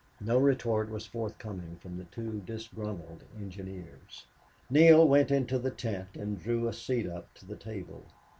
No retort was forthcoming from the two disgruntled engineers. Neale went into the tent and drew a seat up to the table.